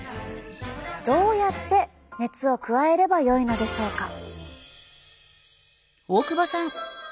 どうやって熱を加えればよいのでしょうか？